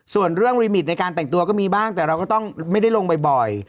ส่วนเรื่องลิมิตในการแต่งตัวก็มีบ้างแต่เราก็ต้องไม่ได้ลงบ่อย